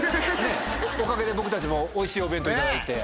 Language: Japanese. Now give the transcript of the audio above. おかげで僕たちもおいしいお弁当いただいて。